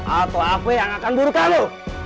atau apa yang akan buruk kamu